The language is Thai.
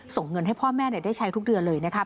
ส่งเงินให้พ่อแม่ได้ใช้ทุกเดือนเลยนะครับ